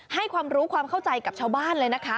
ให้ความรู้ความเข้าใจกับชาวบ้านเลยนะคะ